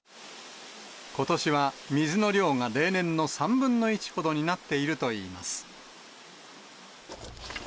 ことしは水の量が例年の３分の１ほどになっているといいます。